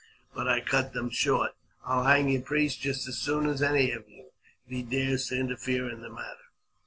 But I cut them short. " I'll hang your priest just as soon as any of you," I said, " if he dares to interfere in the matter."